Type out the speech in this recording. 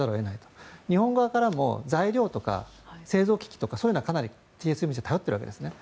アメリカ側からも材料とか製造機器とかそういうのはかなりＴＳＭＣ頼っているわけですね。